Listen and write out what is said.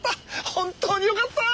本当によかった！